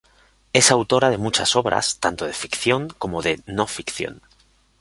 Es autora de muchas obras tanto de ficción como de no ficción.